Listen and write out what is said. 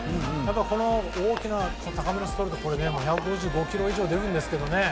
この大きな高めのストレート１５５キロ以上出るんですけどね。